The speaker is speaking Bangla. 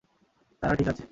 তারা ঠিক আছে।